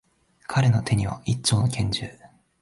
彼の手には、一丁の拳銃。